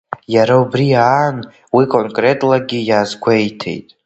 Иара убри аан, уи конкретлагьы иазгәеиҭеит…